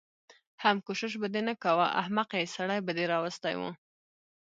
حم کوشش به دې نه کوه احمقې سړی به دې راوستی و.